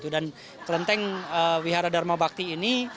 dan kelenteng wihara dharma bakti ini